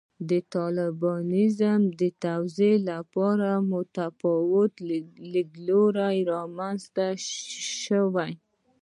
د طالبانیزم د توضیح لپاره متفاوت لیدلوري رامنځته شوي.